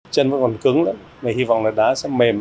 chân vẫn còn cứng mà hy vọng là đá sẽ mềm